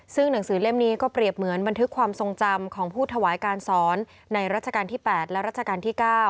ซึ่งหนังสือเล่มนี้ก็เปรียบเหมือนบันทึกความทรงจำของผู้ถวายการสอนในรัชกาลที่๘และรัชกาลที่๙